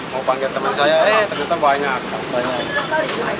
mau panggil teman saya eh ternyata banyak banyak